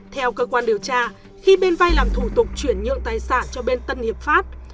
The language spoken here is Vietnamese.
theo cơ quan điều tra khi bên vay làm thủ tục chuyển nhượng tài sản cho bên tân hiệp pháp